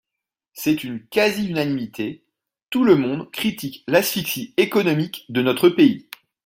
C’est une quasi-unanimité, tout le monde critique l’asphyxie économique de notre pays.